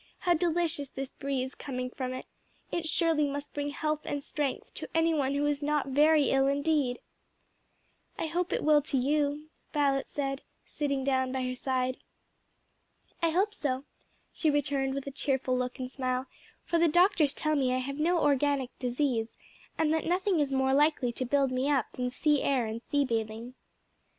how delicious this breeze coming from it! it surely must bring health and strength to any one who is not very ill indeed!" "I hope it will to you," Violet said, sitting down by her side. "I hope so," she returned with a cheerful look and smile, "for the doctors tell me I have no organic disease, and that nothing is more likely to build me up than sea air and sea bathing."